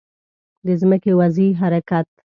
د ځمکې وضعي حرکت